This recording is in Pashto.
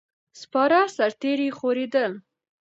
سپاره سرتیري خورېدل.